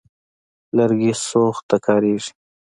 لرګي سوخت ته کارېږي.